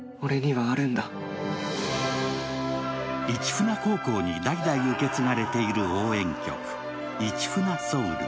市船高校に代々受け継がれている応援曲「市船ｓｏｕｌ」。